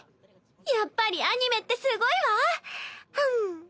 やっぱりアニメってすごいわ！はむっ。